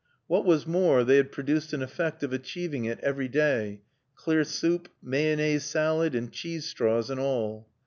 What was more they had produced an effect of achieving it every day, clear soup, mayonnaise salad and cheese straws and all.